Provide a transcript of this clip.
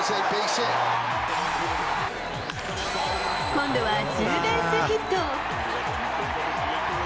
今度はツーベースヒット。